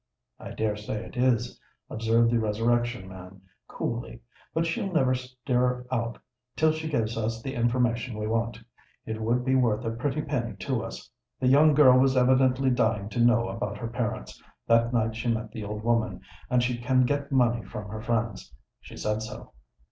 "I dare say it is," observed the Resurrection Man, coolly: "but she'll never stir out till she gives us the information we want. It would be worth a pretty penny to us. The young girl was evidently dying to know about her parents, that night she met the old woman; and she can get money from her friends—she said so."